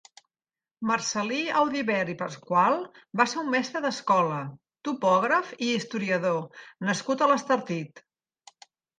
Marcel·lí Audivert i Pascual va ser un mestre d'escola, topògraf i historiador nascut a l'Estartit.